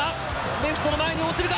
レフトの前に落ちるか？